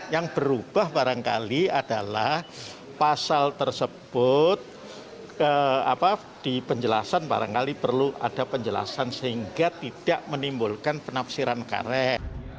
yang berubah barangkali adalah pasal tersebut di penjelasan barangkali perlu ada penjelasan sehingga tidak menimbulkan penafsiran karet